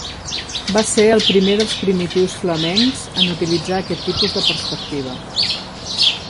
Va ser el primer dels primitius flamencs en utilitzar aquest tipus de perspectiva.